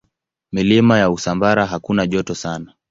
Milima ya Usambara hakuna joto sana.